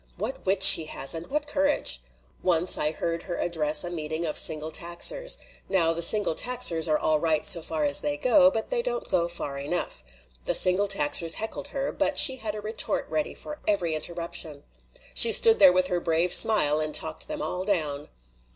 What wit she has, and what courage! Once I heard her address a meeting of Single Taxers. Now, the Single Taxers are all right so far as they go, but they don't go far enough. The Single Taxers heckled her, but she had a retort ready for every interruption. She stood there with her brave smile and talked them all down."